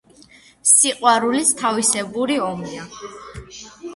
სიყვარულიც თავისებური ომია